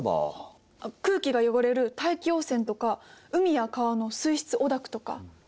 空気が汚れる大気汚染とか海や川の水質汚濁とか。